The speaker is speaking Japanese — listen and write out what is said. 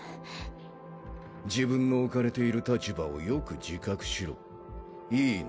自分の置かれている立場をよく自覚しろいいな？